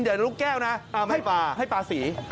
อย่าลุกแก้วนะให้ปลาสี